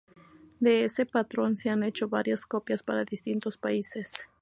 De ese patrón se han hecho varias copias para distintos países.